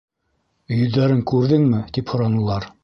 Йөҙҙәрен күрҙеңме? - тип һоранылар.